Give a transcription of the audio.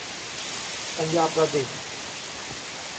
ปัญญาประดิษฐ์